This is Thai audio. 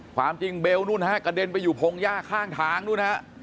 ความจริงเบลนู่นฮะกระเด็นไปอยู่พงหญ้าข้างทางนู้นฮะ